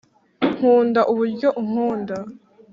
nkunda uburyo unkunda